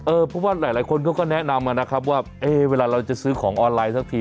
เพราะว่าหลายคนเขาก็แนะนำนะครับว่าเวลาเราจะซื้อของออนไลน์สักที